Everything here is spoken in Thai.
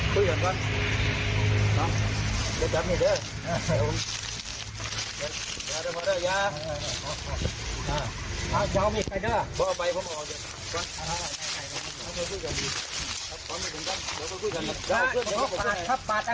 พระขู่คนที่เข้าไปคุยกับพระรูปนี้